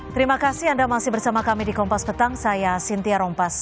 terima kasih anda masih bersama kami di kompas petang saya sintia rompas